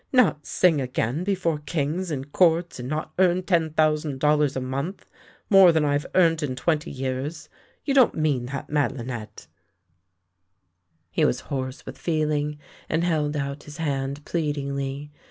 Not sing again before kings and Courts, and not earn ten thousand dollars a month — more than I've earned in twenty years! You don't mean that, Mad'linette! " 20 THE LANE THAT HAD NO TURNING He was hoarse with feeling, and held out his hand pleadingly.